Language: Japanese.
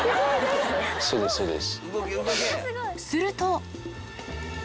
すると。